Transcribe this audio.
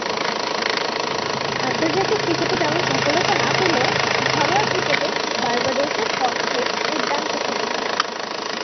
আন্তর্জাতিক ক্রিকেটে তেমন সফলতা না পেলেও ঘরোয়া ক্রিকেটে বার্বাডোসের পক্ষে দূর্দান্ত খেলেছিলেন।